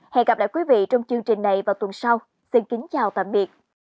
hẹn gặp lại quý vị trong chương trình này vào tuần sau xin kính chào tạm biệt